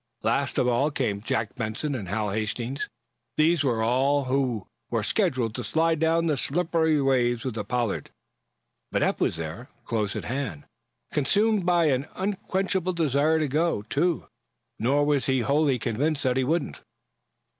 Last of all came Jack Benson and Hal Hastings. These were all who were scheduled to slide down the slippery ways with the "Pollard." But Eph was there, close at hand, consumed by an unquenchable desire to go, too. Nor was he wholly convinced that he wouldn't.